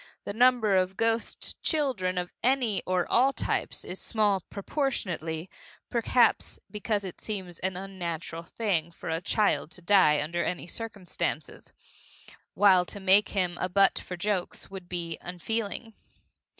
The number of ghost children of any or all types is small proportionately perhaps because it seems an unnatural thing for a child to die under any circumstances, while to make of him a butt for jokes would be unfeeling.